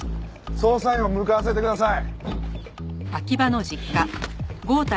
捜査員を向かわせてください。